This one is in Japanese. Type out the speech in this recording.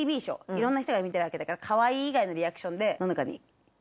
いろんな人が見てるわけだから「かわいい」以外のリアクションで乃々佳に一言言おう。